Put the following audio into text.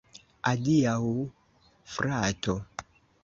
Adiaŭ, frato.